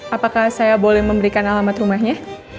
apakah saya boleh memberikan alamat rumahnya